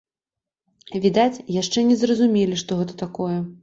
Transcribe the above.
Відаць, яшчэ не зразумелі, што гэта такое.